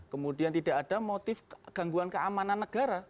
kemudian tidak ada motif gangguan keamanan negara